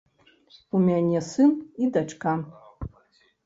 У мяне сын і дачка.